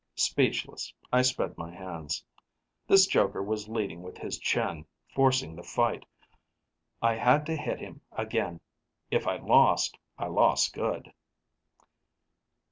Speechless, I spread my hands. This joker was leading with his chin, forcing the fight. I had to hit him again; if I lost, I lost good.